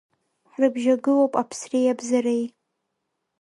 Ҳрыбжьагылоуп аԥсреи абзареи…